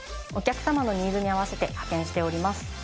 お客様のニーズに合わせて派遣しております。